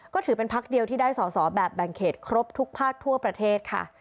ก็ถือเป็นพักเดียวที่ได้สอสอแบบแบ่งเขตครบทุกภาคทั่วประเทศค่ะ